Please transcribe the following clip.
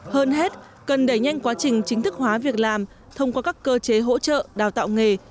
hơn hết cần đẩy nhanh quá trình chính thức hóa việc làm thông qua các cơ chế hỗ trợ đào tạo nghề